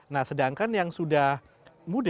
nah sedangkan yang sudah muda